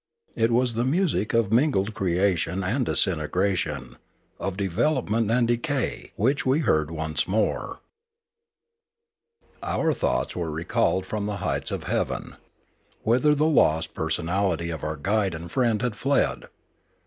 It was the music of mingled creation and disintegration, of development and decay which we heard once more. Death 379 Oar thoughts were recalled from the heights of heaven, whither the lost personality of our guide and friend had fled.